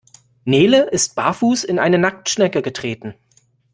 Nele ist barfuß in eine Nacktschnecke getreten.